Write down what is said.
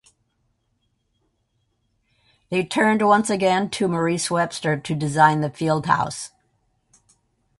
They turned once again to Maurice Webster to design the field house.